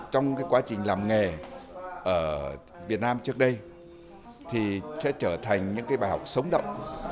trong quá trình làm nghề ở việt nam trước đây thì sẽ trở thành những bài học sống động